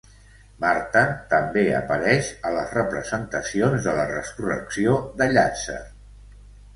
Marta també apareix a les representacions de la resurrecció de Llàtzer.